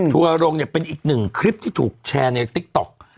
ทัวร์ลงเป็นอีกหนึ่งคลิปที่ถูกแชร์ในติ๊กต๊อก